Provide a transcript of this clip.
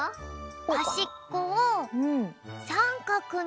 はしっこをさんかくに。